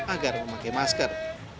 agar memakai masker